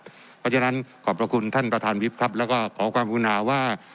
เพราะฉะนั้นขอบพระคุณท่านประธานวิทย์ครับแล้วก็ขอความกุณาว่า